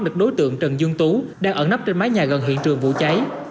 được đối tượng trần dương tú đang ẩn nấp trên mái nhà gần hiện trường vụ cháy